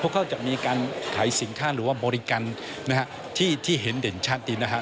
เขาก็จะมีการขายสินค้าหรือว่าบริการนะฮะที่เห็นเด่นชัดนี่นะฮะ